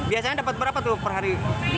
biasanya dapat berapa tuh per hari